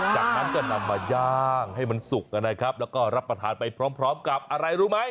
จากนั้นก็นำมาย่างให้มันสุกนะครับแล้วก็รับประทานไปพร้อมกับอะไรรู้ไหม